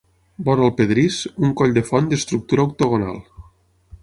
Vora el pedrís, un coll de font d'estructura octogonal.